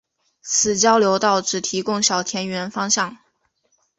此交流道只提供小田原方向。